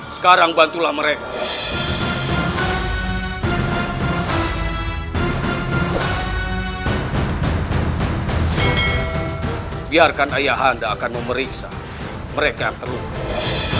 sekarang bantulah mereka biarkan ayah anda akan memeriksa mereka yang terluka